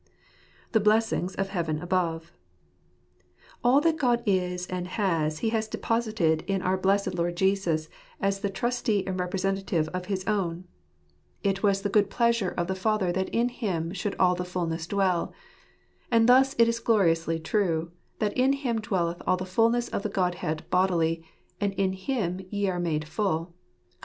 The Blessings of Heaven Above. All that God is and has He has deposited in our blessed Lord Jesus, as the Trustee and Representative of his own. " It was the stores of (Srare. *73 good pleasure of the Father that in Him should all the fulness dwell." And thus it is gloriously true, that "in Him dwelleth all the fulness of the Godhead bodily j and in Him ye are made full." (Col.